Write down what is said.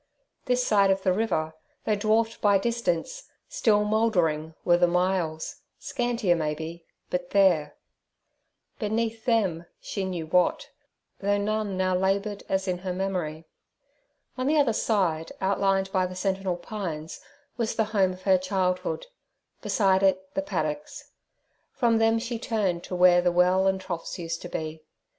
This side of the river, though dwarfed by distance, still mouldering, were the myalls, scantier maybe, but there. Beneath them she knew what, though none now laboured as in her memory. On the other side, outlined by the sentinel pines, was the home of her childhood; beside it the paddocks. From them she turned to where the well and troughs used to be.